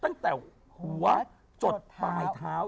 ตั้งแต่หัวจดปลายเท้า